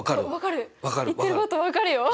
分かる。